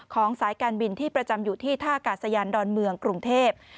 สายการบินที่ประจำอยู่ที่ท่ากาศยานดอนเมืองกรุงเทพ